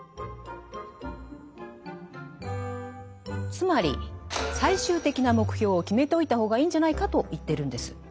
つまり最終的な目標を決めておいた方がいいんじゃないかと言ってるんです。